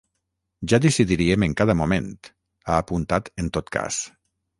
“Ja decidiríem en cada moment”, ha apuntat en tot cas.